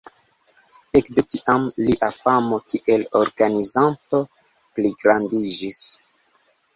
Ekde tiam, lia famo kiel organizanto pligrandiĝis.